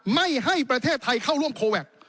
ไม่ให้ประเทศไทยเข้าร่วมโคแวค